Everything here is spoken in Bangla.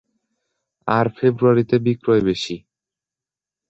আর ফেব্রুয়ারিতে বিক্রয় বেশি।